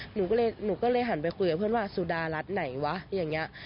หนูก็เลยหนูก็เลยหันไปคุยกับเพื่อนว่าสุดารัฐไหนวะอย่างนี้